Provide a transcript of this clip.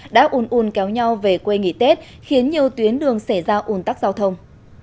đã un un kéo nhau về quê nghỉ tết khiến nhiều tuyến đường xảy ra ủn tắc giao thông